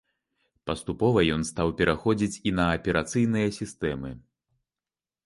Паступова ён стаў пераходзіць і на аперацыйныя сістэмы.